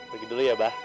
pergi dulu ya bah